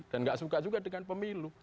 dan gak suka juga dengan pemilu